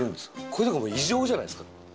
これとかもう異常じゃないですか